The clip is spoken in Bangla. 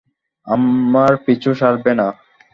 আমার পিছু ছাড়বেই না!